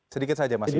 sedikit saja mas bima